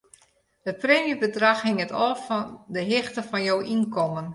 It preemjebedrach hinget ôf fan 'e hichte fan jo ynkommen.